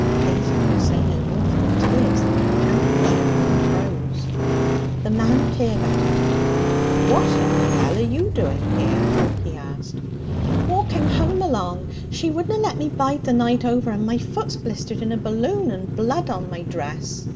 Hazel could say no more, for the tears that companionship unfroze. The man peered at her. 'What in hell are you doing here?' he asked. 'Walking home along. She wouldna let me bide the night over. And my foot's blistered in a balloon and blood on my dress.'